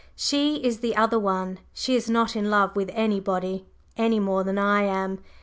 She is the other one. She is not in love with anybody any more than I am.